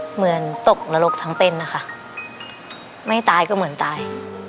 เหมือนตกนรกทั้งเป็นนะคะไม่ตายก็เหมือนตาย